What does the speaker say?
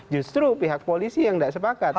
justru pihak polisi yang tidak sepakat